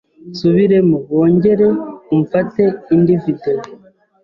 Nsubiremo wongere umfate indi video.